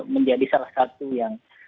menjadi salah satu yang